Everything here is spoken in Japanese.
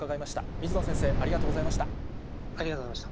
水野先生、ありがとうございました。